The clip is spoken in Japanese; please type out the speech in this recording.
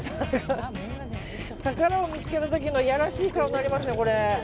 宝を見つけた時のやらしい顔になりますよ。